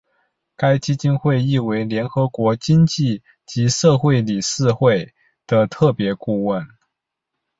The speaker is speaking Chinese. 该基金会亦为联合国经济及社会理事会的特别顾问。